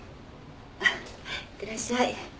あいってらっしゃい。